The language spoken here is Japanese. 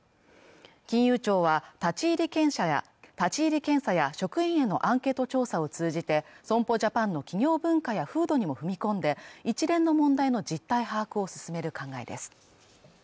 金融庁は立ち入り検査やや職員へのアンケート調査を通じて損保ジャパンの企業文化や風土にも踏み込んで一連の問題の実態把握を進める考えです